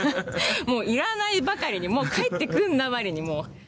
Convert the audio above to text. もういらないばかりにもう帰ってくるなばりにもう。